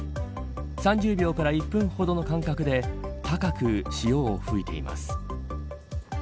３０秒から１分ほどの間隔で高く潮を吹いています。